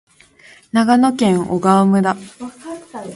長野県小川村